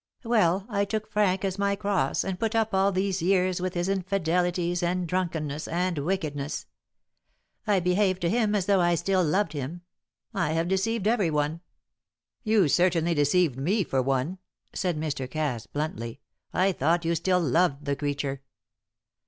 Well, I took Frank as my cross, and put up all these years with his infidelities, and drunkenness, and wickedness. I behaved to him as though I still loved him. I have deceived everyone." "You certainly deceived me for one," said Mr. Cass, bluntly. "I thought you still loved the creature."